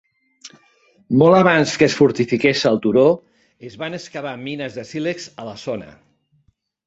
Molt abans que es fortifiqués el turó, es van excavar mines de sílex a la zona.